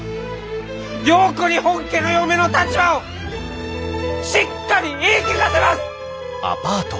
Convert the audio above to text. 良子に本家の嫁の立場をしっかり言い聞かせます！